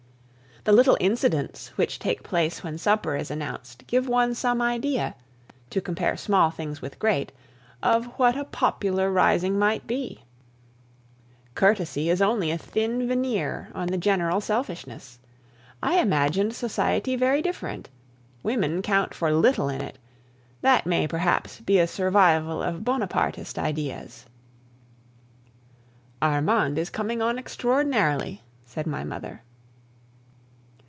The little incidents which take place when supper is announced give one some idea to compare small things with great of what a popular rising might be. Courtesy is only a thin veneer on the general selfishness. I imagined society very different. Women count for little in it; that may perhaps be a survival of Bonapartist ideas." "Armande is coming on extraordinarily," said my mother.